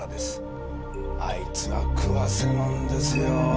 あいつは食わせ者ですよ。